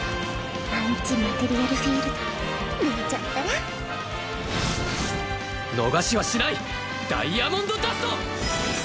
アンチマテリアルフィールドレイちゃんったら逃しはしないダイヤモンドダスト！